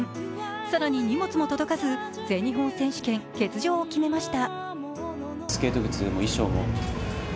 更に荷物も届かず、全日本選手権欠場を決めました。